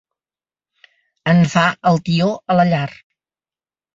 En fa el tió a la llar.